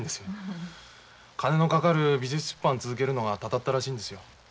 金のかかる美術出版続けるのがたたったらしいんですよ。